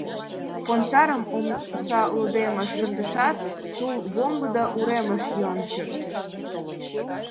Понарым омса лондемыш шындышат, тул волгыдо уремыш йончыш.